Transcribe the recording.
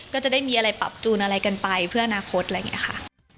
ก็จะได้มีอะไรปรับจูนอะไรกันไปเพื่ออนาคตอะไรอย่างนี้ค่ะ